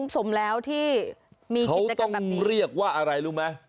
สมแล้วที่มีกิจกันแบบนี้เขาต้องเรียกว่าอะไรรู้ไหม